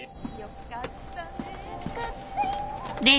よかったよ